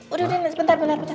udah ren sebentar sebentar